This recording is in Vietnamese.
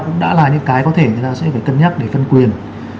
cũng đã là những cái có thể người ta sẽ phải cân nhắc để phân quyền